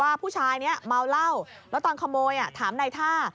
ว่าผู้ชายเนี่ยเมาเหล้าแล้วตอนขโมยอ่ะถามในท่า